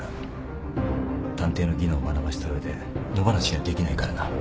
探偵の技能を学ばせた上で野放しにはできないからな。